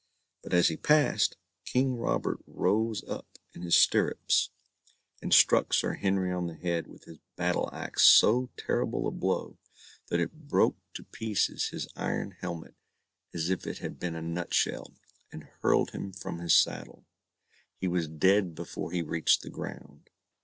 But as he passed, King Robert rose up in his stirrups, and struck Sir Henry on the head with his battle axe so terrible a blow, that it broke to pieces his iron helmet as if it had been a nut shell, and hurled him from his saddle. He was dead before he reached the ground.